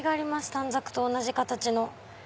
短冊と同じ形の。